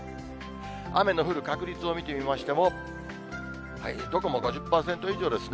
雨の降る確率を見てみましても、どこも５０％以上ですね。